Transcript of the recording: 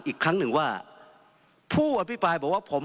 อีกครั้งหนึ่งว่าผู้อภิปรายบอกว่าผม